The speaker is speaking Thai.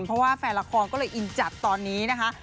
เพราะว่าแฟนละครก็เลยอินจัดตอนนี้นะคะ